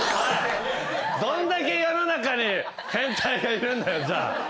どんだけ世の中に変態がいるんだよじゃあ。